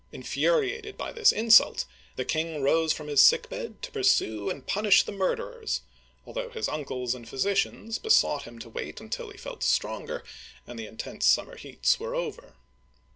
Infuriated by this insult, the king rose from his sick bed to pursue and punish the murderers, although his uncles and physicians besought him to wait until he felt stronger, and the intense summer heats were over.